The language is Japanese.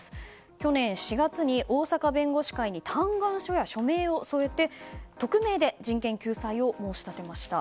去年４月に大阪弁護士会に嘆願書や署名を添えて匿名で人権救済を申し立てました。